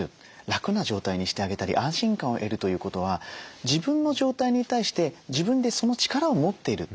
楽な状態にしてあげたり安心感を得るということは自分の状態に対して自分でその力を持っている。